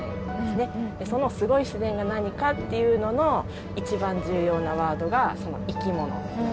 そのすごい自然が何かっていうのの一番重要なワードが生き物。